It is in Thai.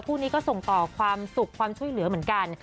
คู่นี้ก็ส่งต่อความสุขความช่วยเหลือเหมือนกัน